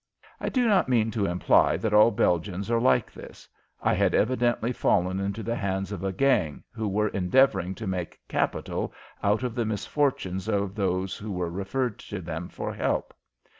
I do not mean to imply that all Belgians are like this. I had evidently fallen into the hands of a gang who were endeavoring to make capital out of the misfortunes of those who were referred to them for help.